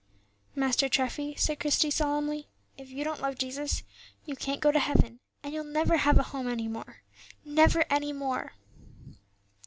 "Master Treffy," said Christie, solemnly, "if you don't love Jesus, you can't go to heaven, and you'll never have a home any more, never any more."